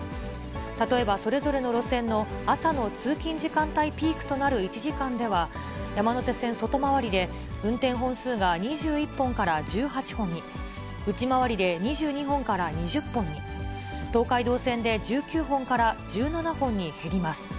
例えば、それぞれの路線の朝の通勤時間帯ピークとなる１時間では、山手線外回りで運転本数が２１本から１８本に、内回りで２２本から２０本に、東海道線で１９本から１７本に減ります。